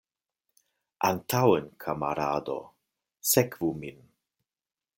Antaŭen, kamarado, sekvu min!